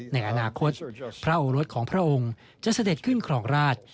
ในอนาคตพระโอรสของพระองค์จะเสด็จขึ้นครองราช